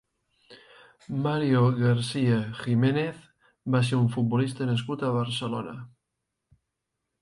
Mario García Jiménez va ser un futbolista nascut a Barcelona.